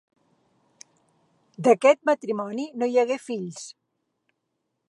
D'aquest matrimoni no hi hagué fills.